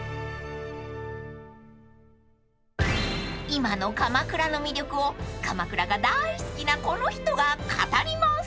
［今の鎌倉の魅力を鎌倉が大好きなこの人が語ります］